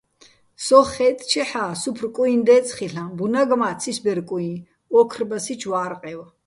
სოხ ხაჲტტჩეჰ̦ა́, სუფრ კუიჼ დე́წე ხილ'აჼ, ბუნაგ მა ცისბერ-კუჲჼ, ოქრბასიჩო̆ ვარყევ.